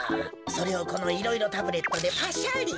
それをこのいろいろタブレットでパシャリ。